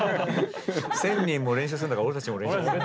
１，０００人も練習するんだから俺たちも練習する。